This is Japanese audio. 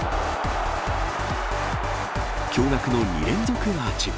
驚がくの２連続アーチ。